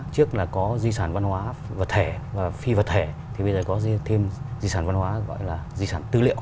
trước là có di sản văn hóa vật thể và phi vật thể thì bây giờ có thêm di sản văn hóa gọi là di sản tư liệu